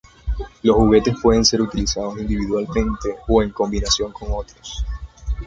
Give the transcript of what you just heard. Los juguetes pueden ser utilizados individualmente o en combinación con otros.